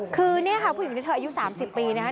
คือเนี่ยค่ะผู้หญิงที่เธออายุ๓๐ปีนะครับ